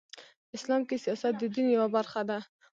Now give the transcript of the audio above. اسلام کې سیاست د دین یوه برخه ده .